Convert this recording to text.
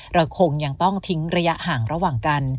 เราคงยังต้องทิ้งระยะห่างระหว่างกัน